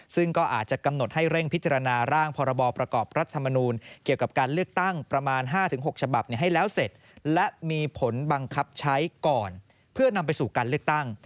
ซึ่งก็อาจจะกำหนดให้เร่งพิจารณาร่างพรบประกอบรัฐมนูลเกี่ยวกับการเลือกตั้งประมาณ๕๖ฉบับให้แล้วเสร็จและมีผลบังคับใช้ก่อนเพื่อนำไปสู่การเลือกตั้ง